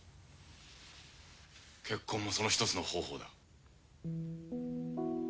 結婚もその一つの方法だ。